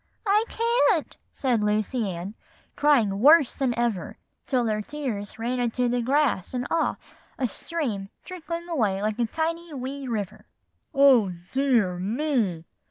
"'I can't,' said Lucy Ann, crying worse than ever, till her tears ran into the grass and off, a little stream trickling away like a tiny, wee river. "'Oh, dear me!